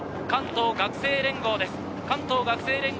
関東学生連合です。